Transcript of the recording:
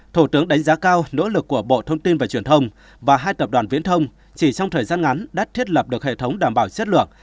thủ tướng đánh giá cao nỗ lực của bộ thông tin và truyền thông và hai tập đoàn viễn thông chỉ trong thời gian ngắn đã thiết lập được hệ thống đảm bảo chất lượng